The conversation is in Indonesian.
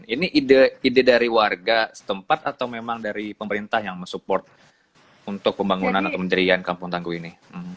ini ide dari warga setempat atau memang dari pemerintah yang mensupport untuk pembangunan atau menjadikan kampung tangguh ini